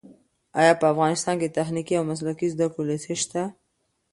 ایا په افغانستان کې د تخنیکي او مسلکي زده کړو لیسې شته؟